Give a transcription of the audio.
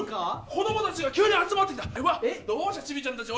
子供たちが急に集まってきた。